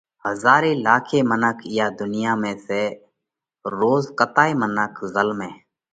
ھزاري لاکي منک اِيئا ڌُنيا ۾ سئہ، روز ڪتائي منک زلمئھ